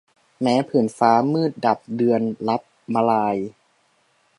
แม้ผืนฟ้ามืดดับเดือนลับมลาย